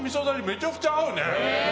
めちゃくちゃ合うね。